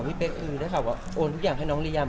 คนอื่นที่ไม่ใช่เรา